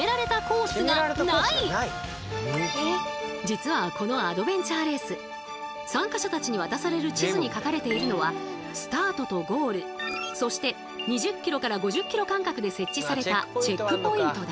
実はこのアドベンチャーレース参加者たちに渡される地図に書かれているのはスタートとゴールそして２０ｋｍから５０ｋｍ間隔で設置されたチェックポイントだけ。